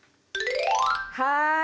はい。